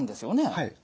はい。